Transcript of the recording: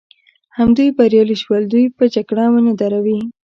همدوی بریالي شول، دوی به جګړه ونه دروي.